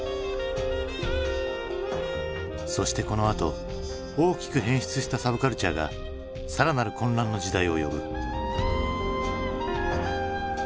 そしてこのあと大きく変質したサブカルチャーが更なる混乱の時代を呼ぶ。